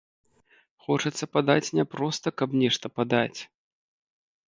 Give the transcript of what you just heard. Хочацца падаць не проста, каб нешта падаць.